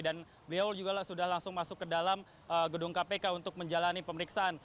dan beol juga sudah langsung masuk ke dalam gedung kpk untuk menjalani pemeriksaan